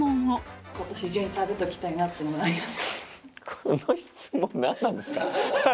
この質問何なんですか？